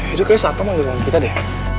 itu kayaknya saat teman gitu bang kita deh